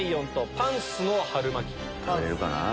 食べれるかな？